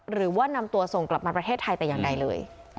หรือว่านำตัวส่งกลับมาประเทศไทยแต่อย่างใดเลย